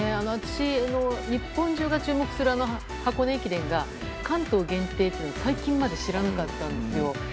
私、日本中が注目する箱根駅伝が関東限定というのを最近まで知らなかったんですよ。